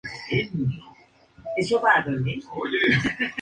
Su principal arte es el flamenco, dominando varios artes o palos.